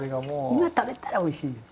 今食べたらおいしいのよ。